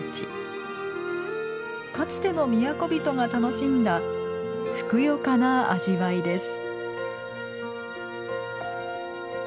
かつての都人が楽しんだふくよかな味わいです。